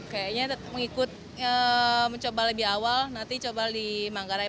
kayaknya tetap mencoba lebih awal nanti coba di manggarai